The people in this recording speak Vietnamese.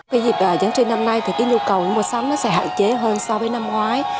khi dịp trang trí năm nay thì cái nhu cầu mua sắm sẽ hạn chế hơn so với năm ngoái